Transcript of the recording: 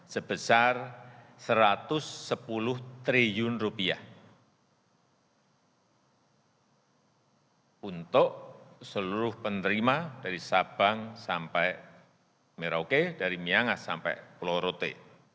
sebesar rp satu ratus sepuluh triliun untuk seluruh penerima dari sabang sampai merauke dari miangas sampai pulau rote